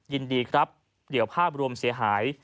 ยินดีครับเดี๋ยวภาพรวมเสียหาย